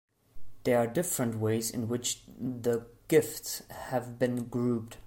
There are different ways in which the gifts have been grouped.